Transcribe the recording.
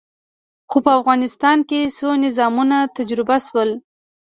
خو په افغانستان کې څو نظامونه تجربه شول.